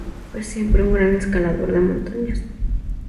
Fue siempre un gran escalador de montañas.